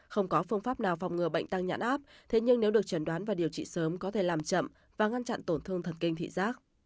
không có phương pháp nào phòng ngừa bệnh tăng nhãn áp thế nhưng nếu được chẩn đoán và điều trị sớm có thể làm chậm và ngăn chặn tổn thương thần kinh thị giác